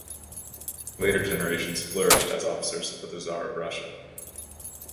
Later generations flourished as officers for the Czar of Russia.